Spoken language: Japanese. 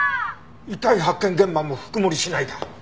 遺体発見現場も福森市内だ。